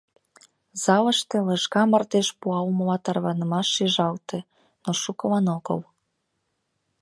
Залыште лыжга мардеж пуалмыла тарванымаш шижалте, но шукылан огыл.